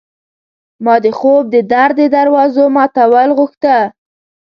ما د خوب د در د دوازو ماتول غوښته